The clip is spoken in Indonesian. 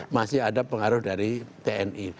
masih ada pengaruh dari tni